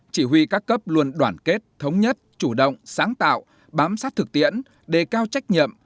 chỉ huy các cấp luôn đoàn kết thống nhất chủ động sáng tạo bám sát thực tiễn đề cao trách nhiệm